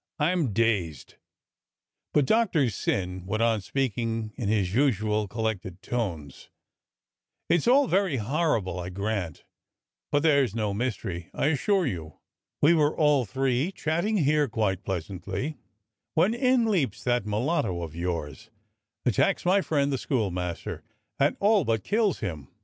f^ I'm dazed." But Doctor Syn went on speaking in his usual col lected tones :" It's all very horrible, I grant, but there's no mystery, I assure you. We were all three chatting here quite pleasantly, when in leaps that mulatto of yours, attacks my friend the schoolmaster and all but kills him.